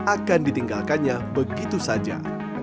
akan ditinggalkannya begitu saja